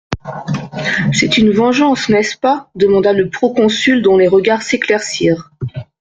C'est une vengeance, n'est-ce pas ? demanda le proconsul dont les regards s'éclaircirent.